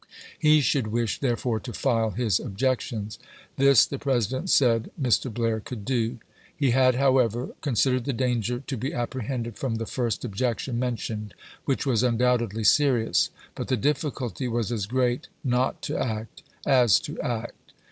He should wish, therefore, to file his objections. This, the President said, Mr. Blair could do. He had, however, considered the danger to be apprehended from the first objection mentioned, which was undoubtedly serious, but the difficulty was as great not to act as to act.